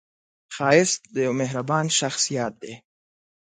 ښایست د یوه مهربان شخص یاد دی